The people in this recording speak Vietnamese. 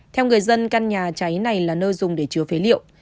theo người dân căn nhà cháy này là nơi dùng để chứa phế liệu